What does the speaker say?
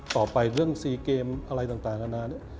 ต่อไปเรื่องซีเกมอะไรต่างนานาเนี่ย